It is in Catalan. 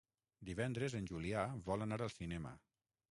Divendres en Julià vol anar al cinema.